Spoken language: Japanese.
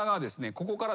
ここから。